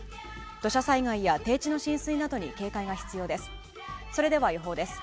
土砂災害や低地の浸水などに警戒が必要です。